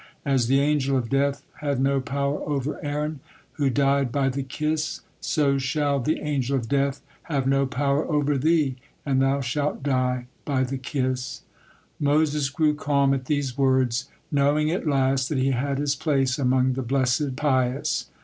As the Angel of Death had no power over Aaron, who died 'by the kiss,' so shall the Angel of Death have no power over thee, and thou shalt die 'by the kiss.'" Moses grew calm at these words, knowing at last that he had his place among the blessed pious.